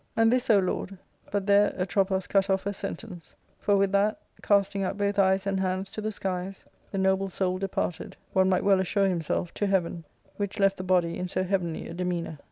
And this, O Lord ," but there Atropos cut off her sentence ; for with that, casting up both eyes and hands to the skies, the noble soul departed, one might well assure himself, to heaven, which left the body in so heavenly a demeanour.